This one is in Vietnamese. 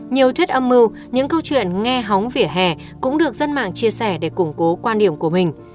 nhiều thuyết âm mưu những câu chuyện nghe hóng vỉa hè cũng được dân mạng chia sẻ để củng cố quan điểm của mình